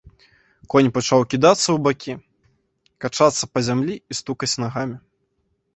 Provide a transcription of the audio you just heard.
Конь пачаў кідацца ў бакі, качацца па зямлі і стукаць нагамі.